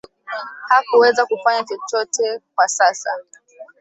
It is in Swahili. hakuweza kufanya chochote kwa sasa